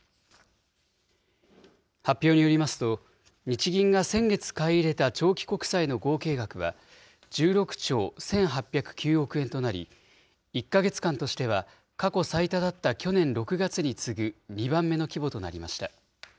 発表によりますと、日銀が先月買い入れた長期国債の合計額は、１６兆１８０９億円となり、１か月間としては過去最多だった去年６月に次ぐ２番目の規模となりました。